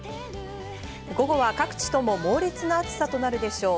午後は各地とも猛烈な暑さとなるでしょう。